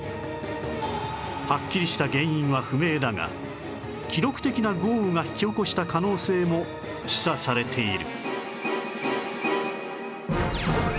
はっきりした原因は不明だが記録的な豪雨が引き起こした可能性も示唆されている